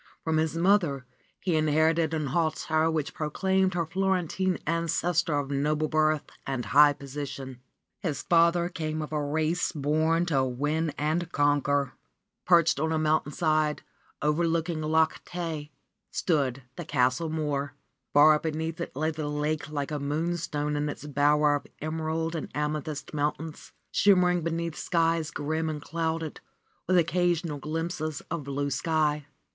From his mother he inherited an hauteur which proclaimed his Florentine ancestor of noble birth and high position. His father came of a race born to win and conquer. Perched on a mountainside, overlooking Loch Tay, 94 RENUNCIATION OF FRA SIMONETTA stood the Castle Mohr. Far beneath it lay the lake like a moonstone in its bower of emerald and amethyst mountains, shimmering beneath skies grim and clouded, with occasional glimpses of blue sky.